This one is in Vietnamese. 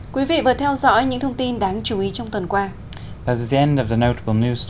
quý vị vừa theo dõi những thông tin đáng chú ý trong tuần qua